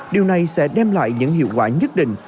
điều này sẽ đem lại những hiệu quả nhất định